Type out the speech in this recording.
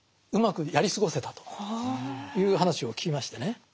うまくやり過ごせたという話を聞きましてね。